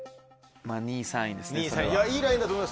２位３位ですねそれは。